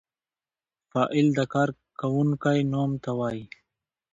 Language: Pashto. فاعل د کار کوونکی نوم ته وايي.